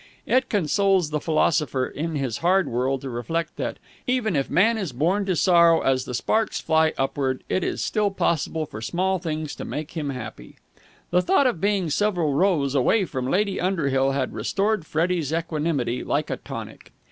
It consoles the philosopher in this hard world to reflect that, even if man is born to sorrow as the sparks fly upward, it is still possible for small things to make him happy. The thought of being several rows away from Lady Underhill had restored Freddie's equanimity like a tonic.